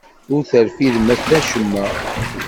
Ur terfidemt acemma.